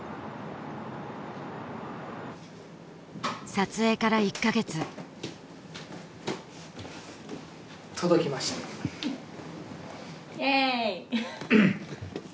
撮影から１カ月届きましたイエーイ！